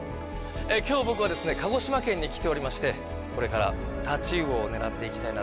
今日僕はですね鹿児島県に来ておりましてこれからタチウオを狙っていきたいなっていうふうに思っています。